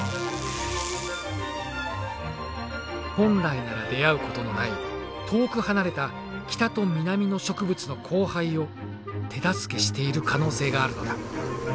本来なら出会うことのない遠く離れた北と南の植物の交配を手助けしている可能性があるのだ。